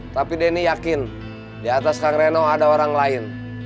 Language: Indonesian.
tapi denny yakin di atas kang reno ada orang lain